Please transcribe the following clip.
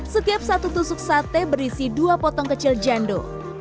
setiap satu tusuk sate berisi dua potong kecil jando